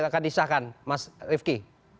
apakah disahkan mas rifqi